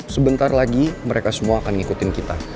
sebentar lagi mereka semua akan ngikutin kita